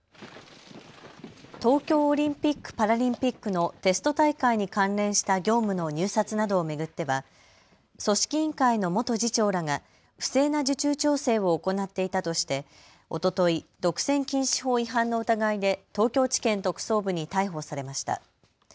東京オリンピック・パラリンピックのテスト大会に関連した業務の入札などを巡っては組織委員会の元次長らが不正な受注調整を行っていたとしておととい、独占禁止法違反の疑いで東京地検特捜部に逮捕されました。